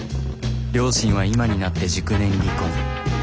両親は今になって熟年離婚。